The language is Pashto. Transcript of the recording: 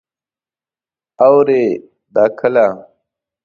اوي دا کله ؟ self citition